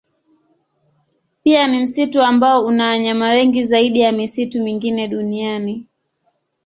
Pia ni msitu ambao una wanyama wengi zaidi ya misitu mingine duniani.